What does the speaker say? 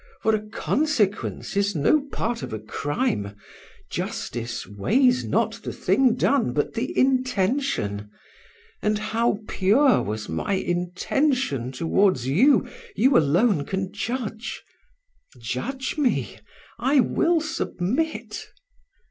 For a consequence is no part of a crime. Justice weighs not the thing done, but the intention. And how pure was my intention toward you, you alone can judge. Judge me! I will submit.